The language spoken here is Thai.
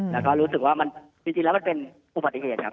แล้วก็รู้สึกว่าจริงแล้วมันเป็นอุบัติเหตุครับ